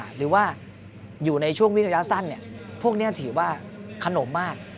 หรือว่าอยู่ในช่วงวิ่งระยะสั้นพวกนี้ถือว่าขนมมาก